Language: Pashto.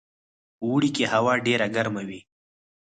په اوړي کې هوا ډیره ګرمه وي